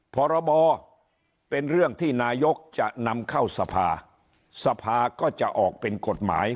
พรบเป็นเรื่องที่นายกจะนำเข้าสภาสภาก็จะออกเป็นกฎหมาย